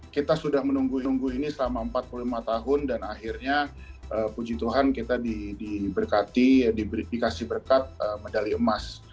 kita sudah menunggu nunggu ini selama empat puluh lima tahun dan akhirnya puji tuhan kita diberkati dikasih berkat medali emas